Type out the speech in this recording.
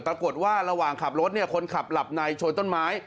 ปรากฏว่าระหว่างขับรถคนขับหลับในโชยต้นไม้